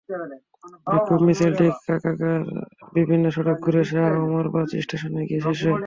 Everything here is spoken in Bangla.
বিক্ষোভ মিছিলটি কাকারার বিভিন্ন সড়ক ঘুরে শাহ ওমরাবাদ স্টেশনে গিয়ে শেষ হয়।